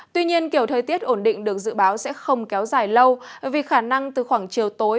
tuy nhiên kiểu thời tiết ổn định được dự báo sẽ không kéo dài lâu vì khả năng từ khoảng chiều tối